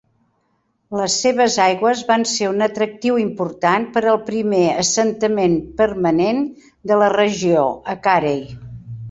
Les seves aigües van ser un atractiu important per al primer assentament permanent de la regió, a Carey.